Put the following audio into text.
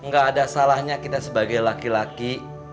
gak ada salahnya kita sebagai laki laki